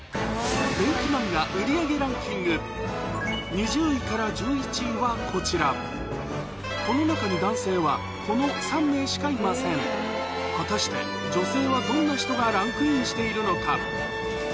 ２０位から１１位はこちらこの中に男性はこの３名しかいません果たして女性はどんな人がランクインしているのか？